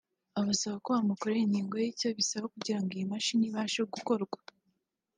abasaba ko bamukorera inyigo y’ icyo bisaba kugira ngo iyi mashini ibashe gukorwa